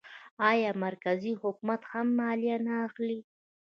آیا مرکزي حکومت هم مالیه نه اخلي؟